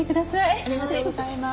ありがとうございます。